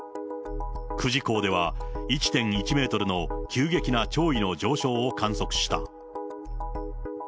久慈港では１．１メートルの急激な潮位の上昇を観測した。